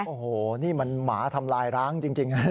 โอ้โหนี่มันหมาทำลายร้างจริง